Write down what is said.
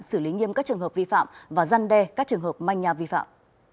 xử lý nghiêm các trường hợp vi phạm và giăn đe các trường hợp manh nhà vi phạm